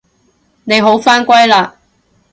你好返歸喇